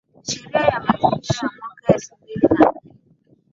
Sheria ya Mazingira ya mwaka elfu mbili na nne